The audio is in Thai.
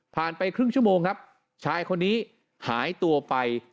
ไปครึ่งชั่วโมงครับชายคนนี้หายตัวไป